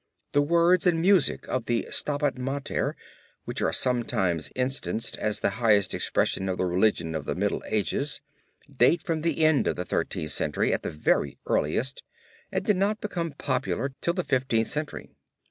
The words and music of the Stabat Mater, which are sometimes instanced as the highest expression of the religion of the Middle Ages, date from the end of the Thirteenth Century at the very earliest, and did not become popular till the Fifteenth Century.